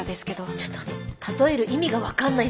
ちょっと例える意味が分かんないんだけど。